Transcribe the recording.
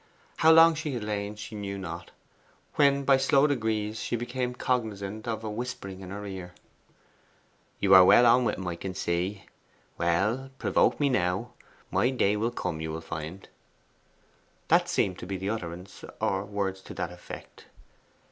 How long she had lain, she knew not, when by slow degrees she became cognizant of a whispering in her ear. 'You are well on with him, I can see. Well, provoke me now, but my day will come, you will find.' That seemed to be the utterance, or words to that effect.